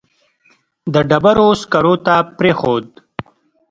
د ډبرو سکرو ته پرېښود.